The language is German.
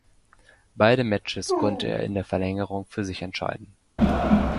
Beide Matches konnte er in der Verlängerung für sich entscheiden.